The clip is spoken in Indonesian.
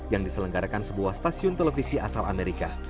yang diselenggarakan sebuah stasiun televisi asal amerika